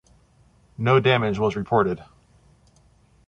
No damage was reported.